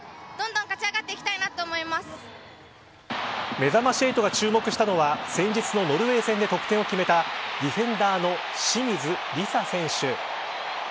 めざまし８が注目したのは先日のノルウェー戦で得点を決めたディフェンダーの清水梨紗選手。